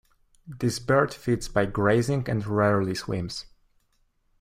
This bird feeds by grazing and rarely swims.